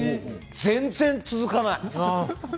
全然、続かない。